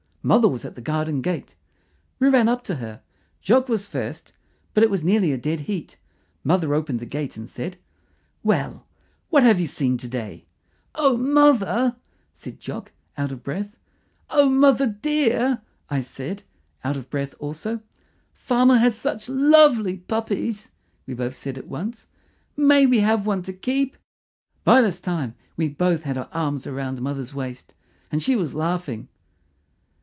Mother was at the garden gate. We ran up to her. Jock was first, but it was nearly a dead heat. Mother opened the gate and said, "Well, what have you seen to day?" "O mother," said Jock, out of breath. "O mother dear" I said, out of breath also. "Farmer has such lovely puppies," we both said at once. "May we have one to keep?" By this time we both had our arms round mother's waist, and she was laughing.